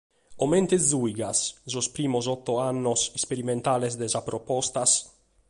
Comente giùigas sos primos oto annos isperimentales de sa propostas?